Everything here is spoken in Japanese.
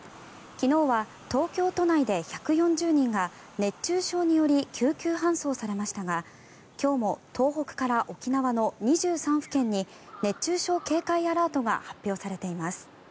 昨日は東京都内で１４０人が熱中症により救急搬送されましたが今日も東北から沖縄の２３府県に熱中症警戒アラートが発表されています。